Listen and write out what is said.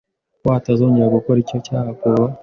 ko atazongera gukora icyo cyaha kuva